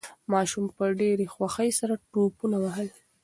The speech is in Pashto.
ماشوم په ډېرې خوښۍ سره ټوپونه وهل.